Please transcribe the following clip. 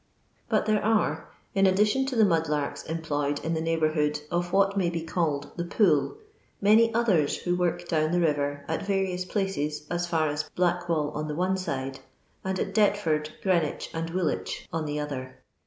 But there are, in addition to the mud larks em ployed in the neighbourhood of what may be called the pool, many others who work down the rirer at rarious places as far as Black wall, on the one tide, and at Deptford, Greenwich, and Woolwich, on the other.